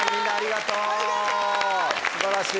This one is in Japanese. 素晴らしい！